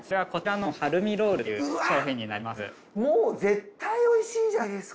もう絶対美味しいじゃないですか。